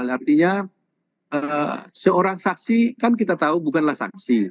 artinya seorang saksi kan kita tahu bukanlah saksi